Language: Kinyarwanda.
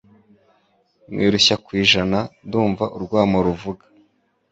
Mwirushya kwijana Ndumva urwamo ruvuga